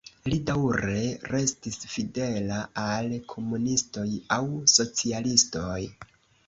Li daŭre restis fidela al komunistoj aŭ socialistoj.